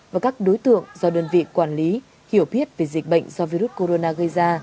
và các đối tượng do đơn vị quản lý hiểu biết về dịch bệnh do virus corona gây ra